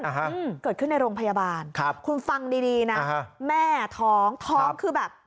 อืมเกิดขึ้นในโรงพยาบาลครับคุณฟังดีดีนะแม่ท้องท้องคือแบบ